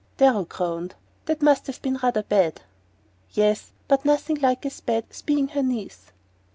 Darrow groaned. "That must have been rather bad!" "Yes; but nothing like as bad as being her niece."